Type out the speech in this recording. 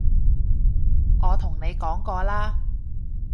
我同你講過啦